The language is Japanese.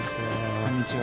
こんにちは。